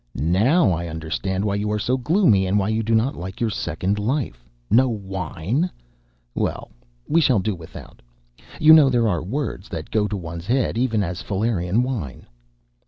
"Now I understand why you are so gloomy and why you do not like your second life. No wine? Well, we shall do without. You know there are words that go to one's head even as Falernian wine."